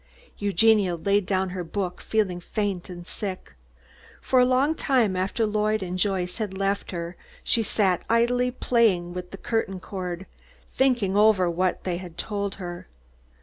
Eugenia laid down her book, feeling faint and sick. For a long time after Lloyd and Joyce had left her she sat idly playing with the curtain cord, thinking over what they had told her.